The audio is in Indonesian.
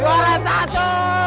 gw ada satu